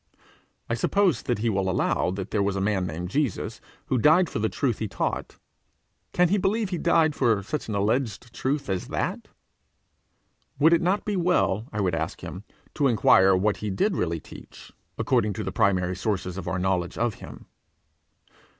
I suppose he will allow that there was a man named Jesus, who died for the truth he taught: can he believe he died for such alleged truth as that? Would it not be well, I would ask him, to enquire what he did really teach, according to the primary sources of our knowledge of him?